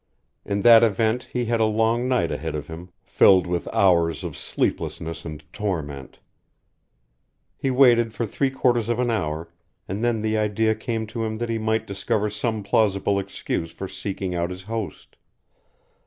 In that event he had a long night ahead of him, filled with hours of sleeplessness and torment. He waited for three quarters of an hour, and then the idea came to him that he might discover some plausible excuse for seeking out his host.